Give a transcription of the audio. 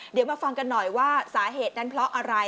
เดี๋ยวมาฟังกันหน่อยว่าสาเหตุนั้นเพราะอะไร